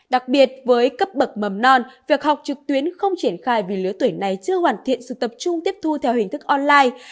đặc biệt với cấp bậc mầm non việc học trực tuyến không triển khai vì lứa tuổi này chưa hoàn thiện sự tập trung tiếp thu theo hình thức online